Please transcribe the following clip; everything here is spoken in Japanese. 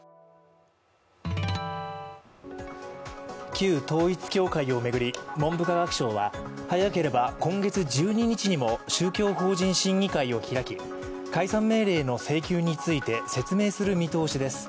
旧統一教会を巡り文部科学省は、早ければ今月１２日にも宗教法人審議会を開き解散命令の請求について説明する見通しです。